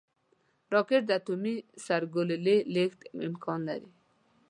راکټ د اټومي سرګلولې لیږد امکان لري